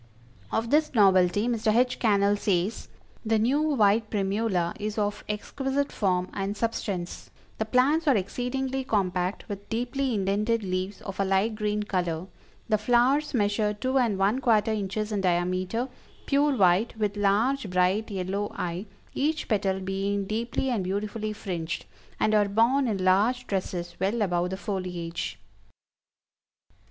Of this novelty Mr. H. Cannell says: "The new white Primula is of exquisite form and substance; the plants are exceedingly compact, with deeply indented leaves of a light green color; the flowers measure two and one quarter inches in diameter, pure white, with large, bright yellow eye, each petal being deeply and beautifully fringed, and are borne in large trusses well above the foliage."